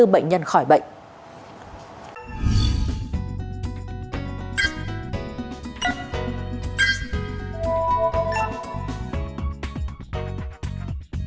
ba mươi bốn bệnh nhân khỏi bệnh